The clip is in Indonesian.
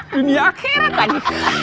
dunia akhirat lagi